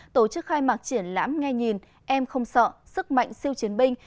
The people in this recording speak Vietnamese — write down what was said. tổ chức khai mạc triển lãm nghe nhìn em không sợ sức mạnh siêu chiến binh